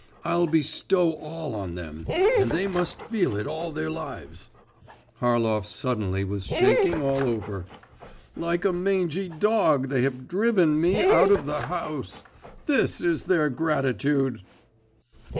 I'll bestow all on them, and they must feel it all their lives.…"' (Harlov suddenly was shaking all over.…) 'Like a mangy dog they have driven me out of the house! This is their gratitude!